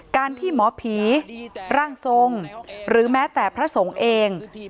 การที่หมอผีร่างทรงหรือแม้แต่พระสงฆ์เอง